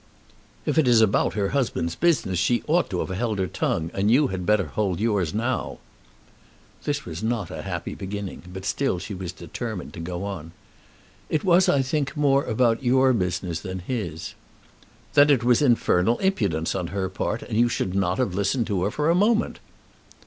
"If it is about her husband's business she ought to have held her tongue, and you had better hold yours now." This was not a happy beginning, but still she was determined to go on. "It was I think more about your business than his." "Then it was infernal impudence on her part, and you should not have listened to her for a moment."